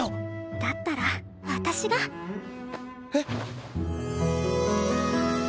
だったら私がえっ？